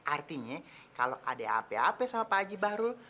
artinya kalau ada ape ape sama pak haji barun